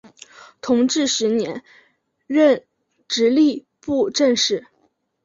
同治十年任直隶布政使。